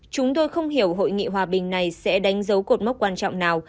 chúng tôi không hiểu hội nghị hòa bình này sẽ đánh dấu cột mốc quan trọng nào